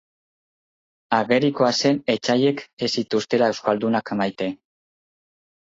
Agerikoa zen etsaiek ez zituztela euskaldunak maite.